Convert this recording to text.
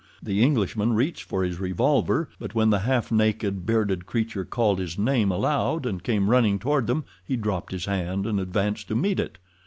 The Englishman reached for his revolver, but when the half naked, bearded creature called his name aloud and came running toward them he dropped his hand and advanced to meet it.